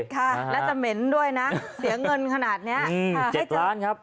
และจะเหม็นด้วยนะเสียเงินขนาดนี้๗ล้านครับ